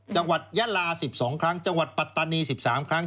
ยะลา๑๒ครั้งจังหวัดปัตตานี๑๓ครั้ง